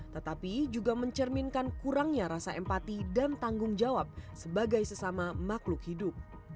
tetapi juga mencerminkan kurangnya rasa empati dan tanggung jawab sebagai sesama makhluk hidup